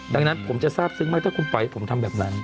ดังนั้นผมจะทราบซึ้งมากถ้าคุณปล่อยให้ผมทำแบบนั้น